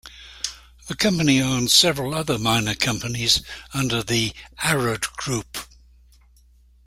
The company owns several other minor companies under the "Arad Group".